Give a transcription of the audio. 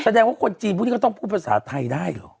แสดงว่าคนจีนพวกนี้ก็ต้องพูดภาษาไทยได้เหรอ